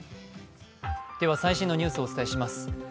では最新のニュースをお伝えします。